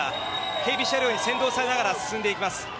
警備車両に先導されながら進んでいきます。